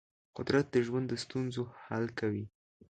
قدرت د ژوند د ستونزو حل کوي.